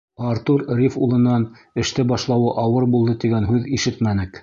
Артур Риф улынан эште башлауы ауыр булды тигән һүҙ ишетмәнек.